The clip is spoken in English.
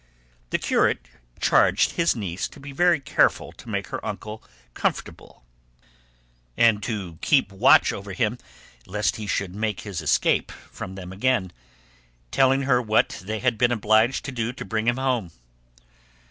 The curate charged his niece to be very careful to make her uncle comfortable and to keep a watch over him lest he should make his escape from them again, telling her what they had been obliged to do to bring him home.